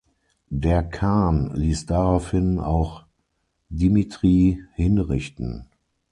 Der Khan ließ daraufhin auch Dmitri hinrichten.